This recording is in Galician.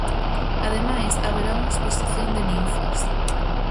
Ademais, haberá unha exposición de ninfas.